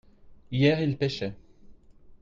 hier il pêchait.